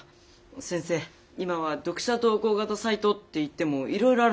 先生今は読者投稿型サイトっていってもいろいろあるんだ。